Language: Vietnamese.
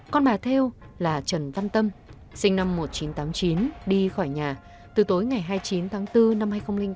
con bà theo là trần văn tâm sinh năm một nghìn chín trăm tám mươi chín đi khỏi nhà từ tối ngày hai mươi chín tháng bốn năm hai nghìn bốn